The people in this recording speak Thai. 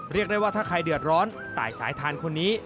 เรียกได้ว่าถ้าใครเดือดร้อนตายสายทานคนนี้